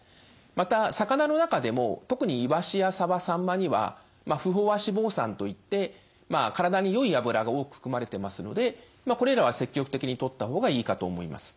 また魚の中でも特にイワシやサバサンマには不飽和脂肪酸といって体によい脂が多く含まれてますのでこれらは積極的にとった方がいいかと思います。